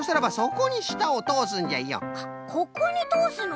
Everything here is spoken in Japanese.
ここにとおすの？